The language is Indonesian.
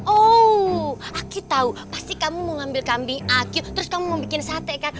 oh aku tau pasti kamu mau ambil kambing akil terus kamu mau bikin sate kan